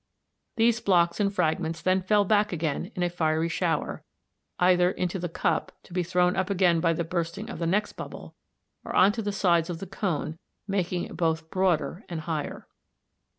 These blocks and fragments then fell back again in a fiery shower f, f either into the cup, to be thrown up again by the bursting of the next bubble, or on to the sides of the cone, making it both broader and higher.